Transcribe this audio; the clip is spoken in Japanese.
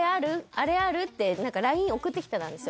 「あれある？」ってＬＩＮＥ送ってきてたんですよ